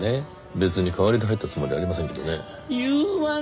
別に代わりで入ったつもりはありませんけどね。